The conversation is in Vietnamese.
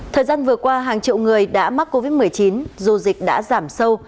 thời gian vừa qua hàng triệu người đã mắc covid một mươi chín dù dịch đã giảm sâu